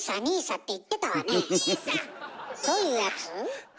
どういうやつ？